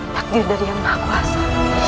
takdir dari yang maha kuasa